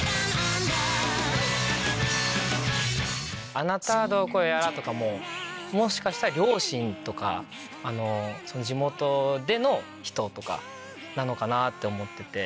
「あなた何処へやら」とかももしかしたら両親とか地元での人とかなのかなと思ってて。